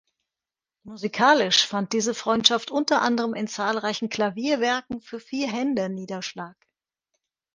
Musikalisch fand diese Freundschaft unter anderem in zahlreichen Klavierwerken für vier Hände Niederschlag.